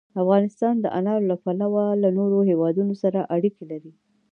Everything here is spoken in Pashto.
افغانستان د انارو له پلوه له نورو هېوادونو سره اړیکې لري.